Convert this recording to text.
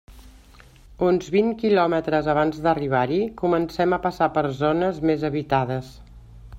Uns vint quilòmetres abans d'arribar-hi comencem a passar per zones més habitades.